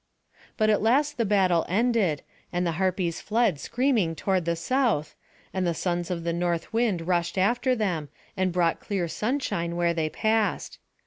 But at last the battle ended, and the Harpies fled screaming toward the south, and the sons of the North wind rushed after them, and brought clear sunshine where they passed.